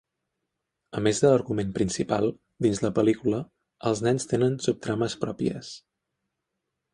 A més de l'argument principal, dins la pel·lícula, els nens tenen subtrames pròpies.